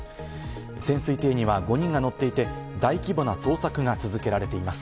潜水艇には５人が乗っていて大規模な捜索が続けられています。